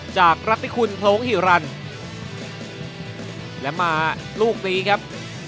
จากรัฐพิคุณโพรงหิวรันแล้วมาลูกนี้ครับ